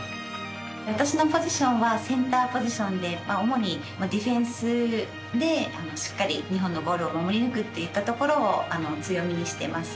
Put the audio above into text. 私のポジションはセンターポジションで主にディフェンスでしっかり日本のゴールを守り抜くっていったところを強みにしてます。